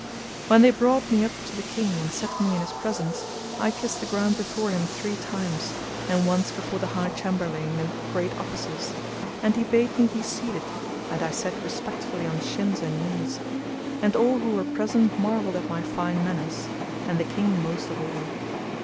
When they brought me up to the King and set me in his presence, I kissed the ground before him three times, and once before the High Chamberlain and great officers, and he bade me be seated, and I sat respectfully on shins and knees,[FN#238] and all who were present marvelled at my fine manners, and the King most of all.